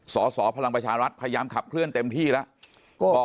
สสพลังประชารัฐพยายามขับเคลื่อนเต็มที่แล้ว